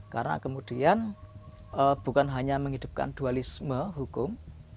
karena kemudian bukan hanya menghidupkan dualisme hukum